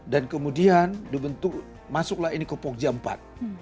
dan kemudian masuklah ini ke pogja iv